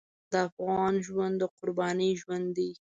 د افغان ژوند د قربانۍ ژوند دی.